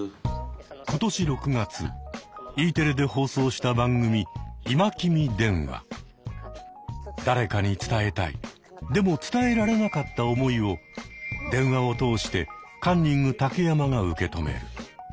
今年６月Ｅテレで放送した番組誰かに伝えたいでも伝えられなかった思いを電話を通してカンニング竹山が受け止める。